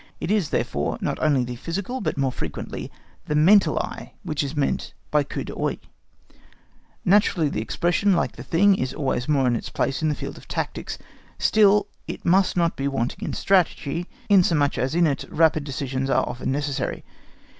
It is, therefore, not only the physical, but more frequently the mental eye which is meant in coup d'œil. Naturally, the expression, like the thing, is always more in its place in the field of tactics: still, it must not be wanting in strategy, inasmuch as in it rapid decisions are often necessary.